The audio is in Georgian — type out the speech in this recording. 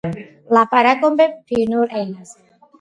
ლაპარაკობენ ფინურ ენაზე.